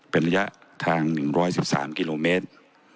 เป็นระยะทาง๑๑๓กิโลเมตร